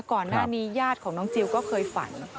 ก่อนหน้านี้ญาติของน้องจิลก็เคยฝัน